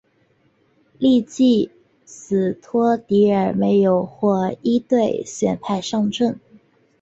翌季史托迪尔没有获一队选派上阵。